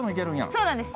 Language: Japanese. そうなんです。